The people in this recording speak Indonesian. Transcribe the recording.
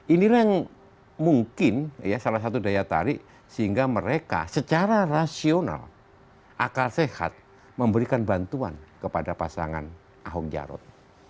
inilah yang mungkin salah satu daya tarik sehingga mereka secara rasional akal sehat memberikan bantuan kepada pasangan ahok jarot